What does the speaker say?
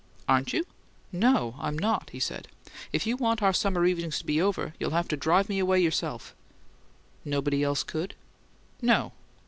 "Aren't you?" "No, I'm not," he said. "If you want our summer evenings to be over you'll have to drive me away yourself." "Nobody else could?" "No."